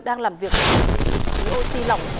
đang làm việc bình khí oxy lỏng